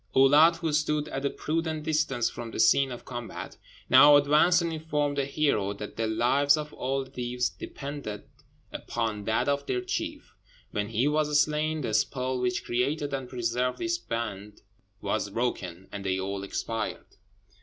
Oulâd, who stood at a prudent distance from the scene of combat, now advanced and informed the hero that the lives of all the Deevs depended upon that of their chief. When he was slain, the spell which created and preserved this band was broken, and they all expired.